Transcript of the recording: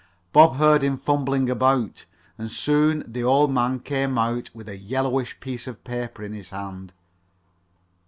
Bob heard him fumbling about, and soon the old man came out with a yellowish piece of paper in his hand.